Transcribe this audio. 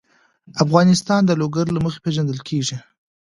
افغانستان د لوگر له مخې پېژندل کېږي.